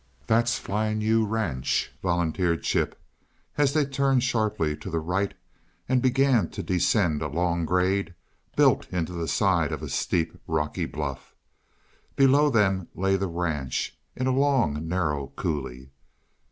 "That's Flying U ranch," volunteered Chip, as they turned sharply to the right and began to descend a long grade built into the side of a steep, rocky bluff. Below them lay the ranch in a long, narrow coulee.